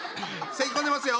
せきこんでますよ！